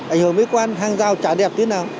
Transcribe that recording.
ảnh hưởng đến mỹ quan hàng rào trà đẹp thế nào